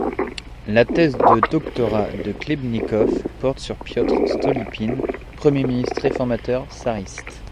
La thèse de doctorat de Klebnikov porte sur Piotr Stolypine, Premier ministre réformateur tsariste.